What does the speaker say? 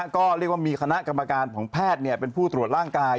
ก็เรียกว่ามีคณะกรรมการของแพทย์เป็นผู้ตรวจร่างกาย